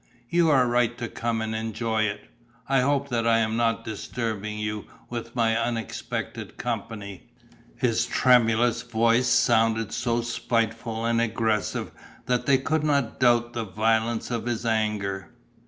You are right to come and enjoy it. I hope that I am not disturbing you with my unexpected company?" His tremulous voice sounded so spiteful and aggressive that they could not doubt the violence of his anger.